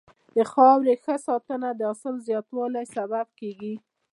د خاورې ښه ساتنه د حاصل زیاتوالي سبب کېږي.